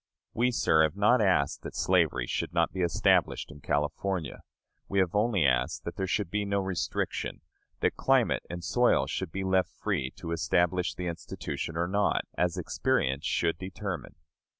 We, sir, have not asked that slavery should be established in California. We have only asked that there should be no restriction; that climate and soil should be left free to establish the institution or not, as experience should determine.